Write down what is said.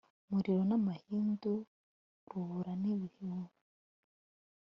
muriro n'amahindu, rubura n'ibihu